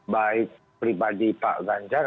baik pribadi pak ganjar